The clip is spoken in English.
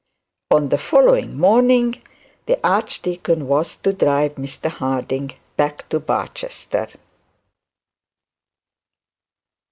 On the following morning the archdeacon was to drive Mr Harding back to Barchester.